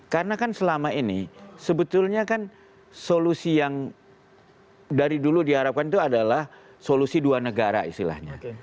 karena kan selama ini sebetulnya kan solusi yang dari dulu diharapkan itu adalah solusi dua negara istilahnya